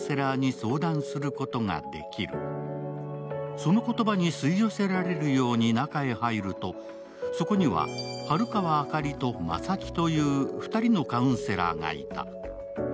その言葉に吸い寄せられるように中へ入るとそこには晴川あかりと正木という２人のカウンセラーがいた。